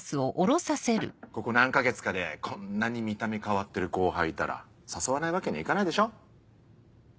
ここ何か月かでこんなに見た目変わってる後輩いたら誘わないわけにはいかないでしょ。